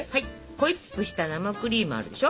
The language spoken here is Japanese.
ホイップした生クリームあるでしょ。